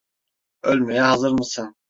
Ölmeye hazır mısın?